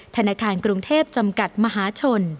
ทางกรุงเทพฯจำกัดมหาชน